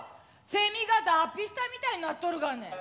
セミが脱皮したみたいになっとるがね！